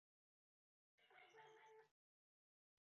Also found buried with Ava was an adult left cattle scapula.